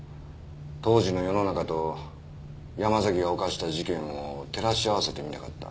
当時の世の中と山崎が犯した事件を照らし合わせてみたかった。